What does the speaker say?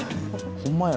ホンマや。